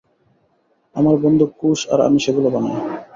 আমার বন্ধু কুশ আর আমি সেগুলো বানাই!